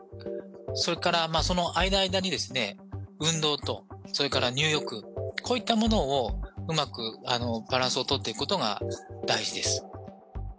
それからそのあいだあいだに運動と、それから入浴、こういったものをうまくバランスをとっていくことが大事です。